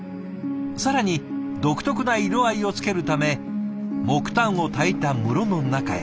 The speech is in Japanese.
更に独特な色合いをつけるため木炭をたいた室の中へ。